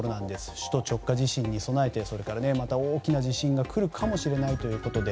首都直下地震に備えてそれからまた大きな地震が来るかもしれないということで。